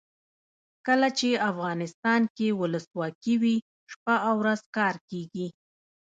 کله چې افغانستان کې ولسواکي وي شپه او ورځ کار کیږي.